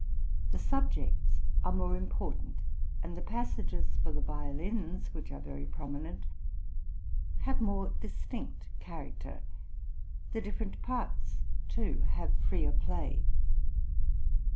The subjects are more important, and the passages for the violins, which are very prominent, have more distinct character; the different parts, too, have freer play.